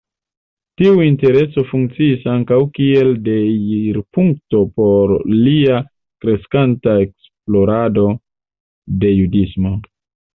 Tiu intereso funkciis ankaŭ kiel deirpunkto por lia kreskanta esplorado de judismo.